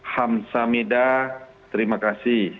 hamzah midah terima kasih